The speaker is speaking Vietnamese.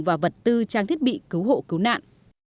và vật tư trang thiết bị cứu hộ cứu nạn